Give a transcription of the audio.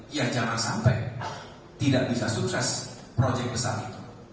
ya jangan sampai tidak bisa sukses proyek besar itu